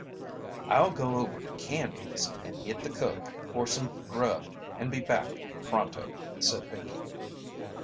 "I'll go over to Canby's and hit the cook for some grub and be back pronto," said Pinkey.